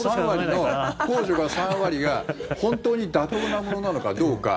控除が３割が本当に妥当なものなのかどうか。